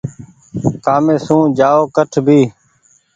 ڪآمي سون جآئو ڪٺ ڀي۔